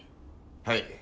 はい。